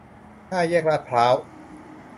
ห้าแยกลาดพร้าว